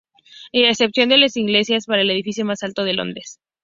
Y a excepción de las iglesias, era el edificio más alto de Londres.